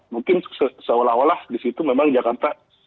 mungkin seolah olah disitu memang jakarta